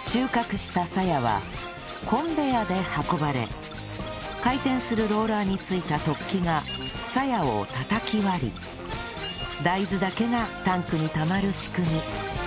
収穫したさやはコンベアで運ばれ回転するローラーについた突起がさやをたたき割り大豆だけがタンクにたまる仕組み